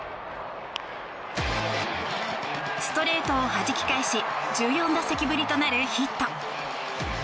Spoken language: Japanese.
ストレートをはじき返し１４打席ぶりとなるヒット。